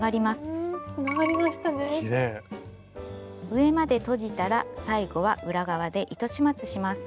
上までとじたら最後は裏側で糸始末します。